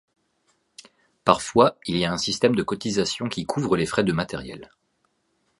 Parfois, il y a un système de cotisation qui couvre les frais de matériel.